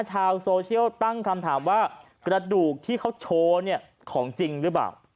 ชาวโซเชียลตั้งคำถามว่ากระดูกที่เขาโชว์เนี่ยของจริงหรือเปล่า